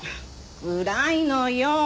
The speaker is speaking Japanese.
暗いのよ。